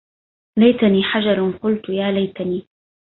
ليتني حَجَرٌ ـ قُلْتُ ـ يا ليتني